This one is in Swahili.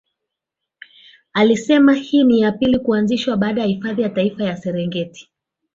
Anasema ni ya pili kuanzishwa baada ya Hifadhi ya Taifa ya Serengeti